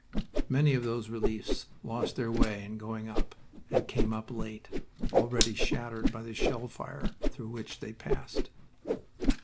Many of those reliefs lost their way in going up, and came up late, already shattered by the shell fire through which they passed.